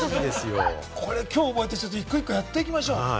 今日、覚えて一個一個やっていきましょう。